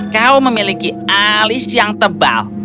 kau memiliki alis yang tebal